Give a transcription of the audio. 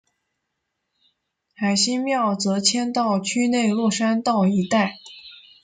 海心庙则迁到区内落山道一带。